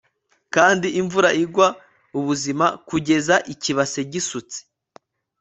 Kandi imvura igwa ubuzima kugeza ikibase gisutse